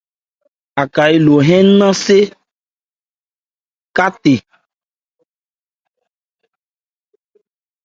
Aká élo hɛ́n nnɛn sé mɛ́n ca the.